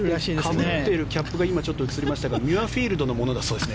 かぶっているキャップが映りましたがミュアフィールドのものだそうです。